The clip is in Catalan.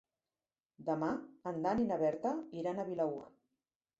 Demà en Dan i na Berta iran a Vilaür.